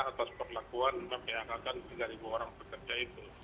atas perlakuan membiangkan tiga orang pekerja itu